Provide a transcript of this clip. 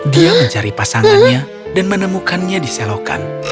dia mencari pasangannya dan menemukannya di selokan